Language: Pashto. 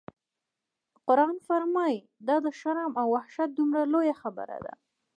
قرآن فرمایي: دا د شرم او وحشت دومره لویه خبره ده.